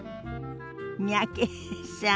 三宅さん